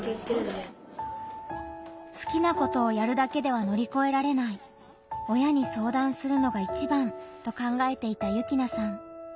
好きなことをやるだけでは乗り越えられない親に相談するのがいちばんと考えていた幸那さん。